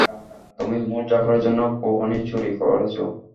তুমি ওমর জাফরের জন্য কোহিনূর চুরি করেছো?